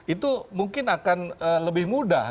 itu mungkin akan lebih mudah